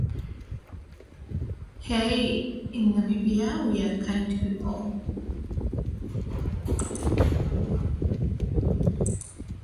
Tabcorp has since appealed this verdict.